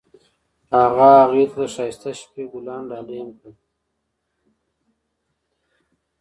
هغه هغې ته د ښایسته شپه ګلان ډالۍ هم کړل.